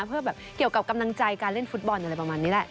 เพื่อแบบเกี่ยวกับกำลังใจการเล่นฟุตบอลอะไรประมาณนี้แหละ